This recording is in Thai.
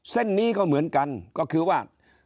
เส้นนี้ก็เหมือนกันก็คือว่า